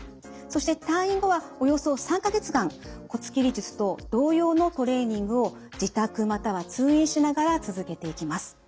そして退院後はおよそ３か月間骨切り術と同様のトレーニングを自宅または通院しながら続けていきます。